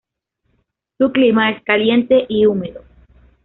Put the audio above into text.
Su clima es caliente y húmedo.